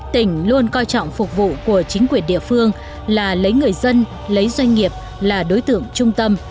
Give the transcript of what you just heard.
tỉnh luôn coi trọng phục vụ của chính quyền địa phương là lấy người dân lấy doanh nghiệp là đối tượng trung tâm